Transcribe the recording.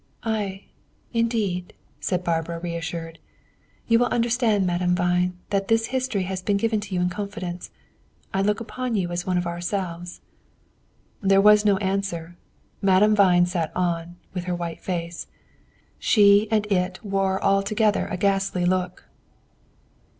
"Ay, indeed!" said Barbara, reassured. "You will understand, Madame Vine, that this history has been given to you in confidence. I look upon you as one of ourselves." There was no answer. Madame Vine sat on, with her white face. She and it wore altogether a ghastly look.